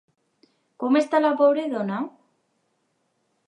Com està la pobre dona?